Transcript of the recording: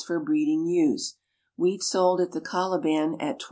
for breeding ewes. Wheat sold at the Colibau at 20s.